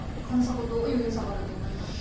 これどういう良さがあると思いますか？